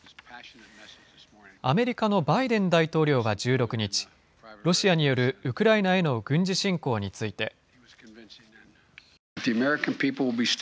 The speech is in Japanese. アメリカのバイデン大統領は１６日、ロシアによるウクライナへの軍事侵攻について。